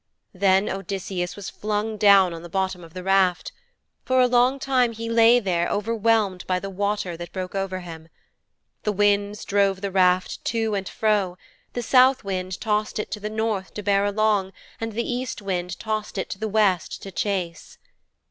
Then Odysseus was flung down on the bottom of the raft. For a long time he lay there overwhelmed by the water that broke over him. The winds drove the raft to and fro the South wind tossed it to the North to bear along, and the East wind tossed it to the West to chase.